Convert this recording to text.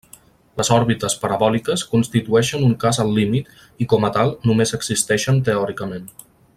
Les òrbites parabòliques constitueixen un cas al límit i com a tal només existeixen teòricament.